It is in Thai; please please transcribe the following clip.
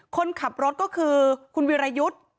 คนขับรถก็คือคุณวิรายุทธ์